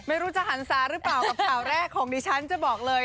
ไม่รู้จะหันศาหรือเปล่ากับข่าวแรกของดิฉันจะบอกเลย